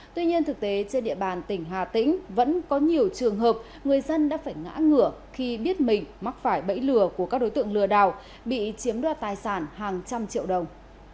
tuy nhiên thực tế trên địa bàn tỉnh hà tĩnh vẫn có nhiều trường hợp người dân đã phải ngã ngửa khi biết mình mắc phải bẫy lừa của các đối tượng lừa đảo bị chiếm đoạt tài sản hàng trăm triệu đồng